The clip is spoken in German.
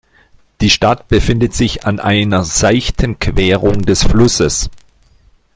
Die Stadt befindet sich an einer seichten Querung des Flusses.